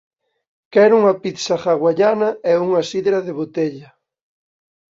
Quero unha pizza hawaiana e unha sidra de botella